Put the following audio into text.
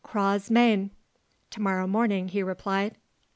"Cras mane" (To morrow morning), he replied.